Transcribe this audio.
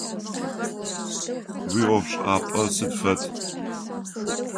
Уиӏофшӏапӏэ сыд фэд?